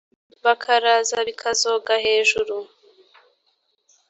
bakaraza bikozaga hejuru.